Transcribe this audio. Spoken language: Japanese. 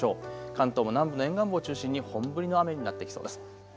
関東も南部の沿岸部を中心に本降りの雨になってきそうです。